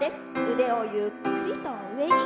腕をゆっくりと上に。